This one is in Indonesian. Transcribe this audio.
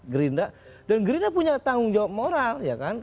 gerinda dan gerinda punya tanggung jawab moral